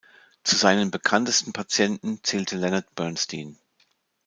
Zu seinen bekanntesten Patienten zählte Leonard Bernstein.